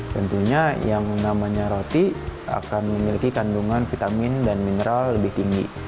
tentunya yang namanya roti akan memiliki kandungan vitamin dan mineral lebih tinggi